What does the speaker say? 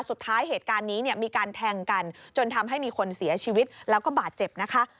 สุดท้ายเหตุการณ์นี้เนี่ยมีการแทงกันจนทำให้มีคนเสียชีวิตแล้วก็บาดเจ็บนะคะ